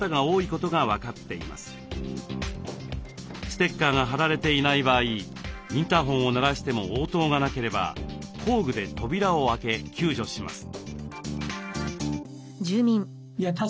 ステッカーが貼られていない場合インターホンを鳴らしても応答がなければ工具で扉を開け救助します。